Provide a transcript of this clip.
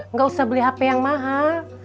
nggak usah beli hp yang mahal